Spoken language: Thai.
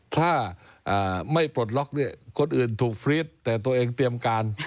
ถ้าไม่ปลดล็อกเนี่ยคนอื่นถูกฟรีดแต่ตัวเองเตรียมการ